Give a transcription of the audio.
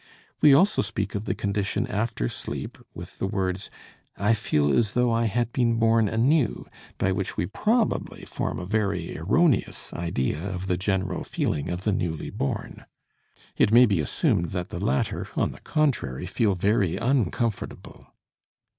We also speak of the condition after sleep with the words, "I feel as though I had been born anew," by which we probably form a very erroneous idea of the general feeling of the newly born. It may be assumed that the latter, on the contrary, feel very uncomfortable.